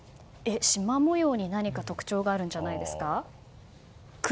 しま模様に何か特徴があるんじゃないですか。